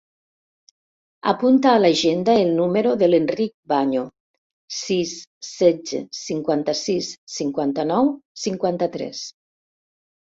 Apunta a l'agenda el número de l'Enric Vaño: sis, setze, cinquanta-sis, cinquanta-nou, cinquanta-tres.